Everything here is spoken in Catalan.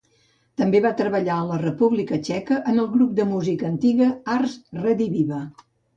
També va treballar a la República Txeca en el grup de música antiga Ars Rediviva.